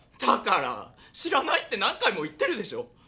だから知らないって何回も言ってるでしょ。